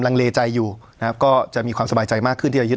ลังเลใจอยู่นะครับก็จะมีความสบายใจมากขึ้นที่จะยึด